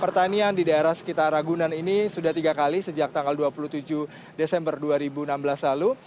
pertanian di daerah sekitar ragunan ini sudah tiga kali sejak tanggal dua puluh tujuh desember dua ribu enam belas lalu